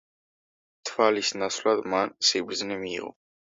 თვალის ნაცვლად მან სიბრძნე მიიღო.